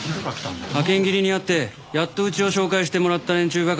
派遣切りにあってやっとうちを紹介してもらった連中ばかりだ。